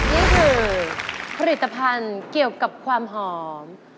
นี่คือผลิตภัณฑ์เกี่ยวกับความหอม